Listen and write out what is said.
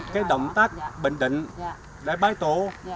cái động tác bình định để bái tổ